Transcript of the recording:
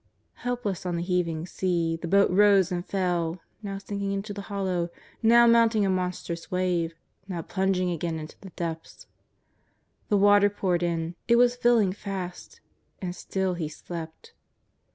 Helpless on the heaving sea, the boat rose and fell, now sinking into the hollow, now mounting a monstrous wave, now plung ing again into the depths. The water poured in, it was filling fast — and still He slept.